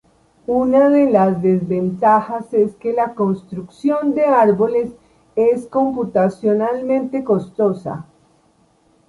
Una de las desventajas es que la construcción de árboles es computacionalmente costosa.